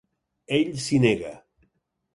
Ell s'hi nega.